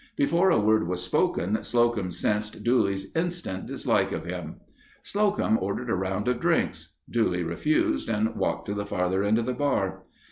Before a word was spoken Slocum sensed Dooley's instant dislike of him. Slocum ordered a round of drinks. Dooley refused and walked to the farther end of the bar.